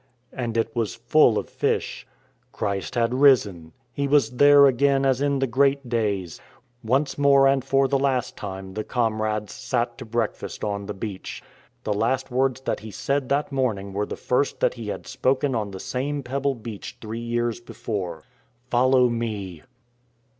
And it was full of fish. Christ had risen! He was there again as in the great days. Once more and for the last time the comrades sat to breakfast on the beach. The last words that He said that morning were the first that He had spoken on the same pebble beach three years before. " Follow Me."